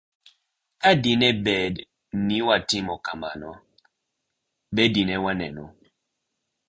Ka dine bed ni watimo kamano, be dine waneno